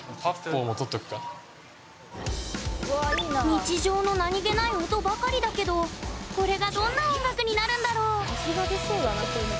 日常の何気ない音ばかりだけどこれがどんな音楽になるんだろう？